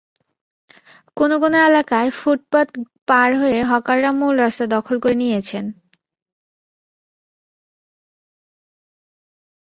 কোনো কোনো এলাকায় ফুটপাত পার হয়ে হকাররা মূল রাস্তা দখল করে নিয়েছেন।